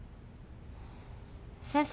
先生？